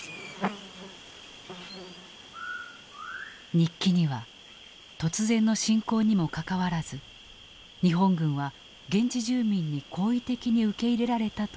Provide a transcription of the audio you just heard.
日記には突然の侵攻にもかかわらず日本軍は現地住民に好意的に受け入れられたと記されていた。